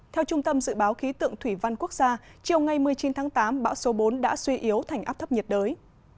theo trung tâm dự báo khí tượng thủy văn quốc gia chiều ngày một mươi chín tháng tám bão số bốn đã suy yếu thành áp thấp nhiệt đới